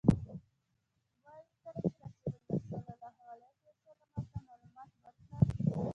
وایي کله چې رسول الله صلی الله علیه وسلم ورته معلومات ورکړل.